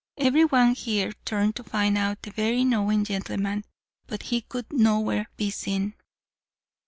Every one here turned to find out the very knowing gentleman; but he could nowhere be seen.